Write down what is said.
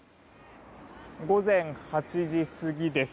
午前８時過ぎです。